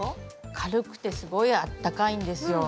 軽くてすごいあったかいんですよ。